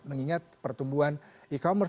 mengingat pertumbuhan e commerce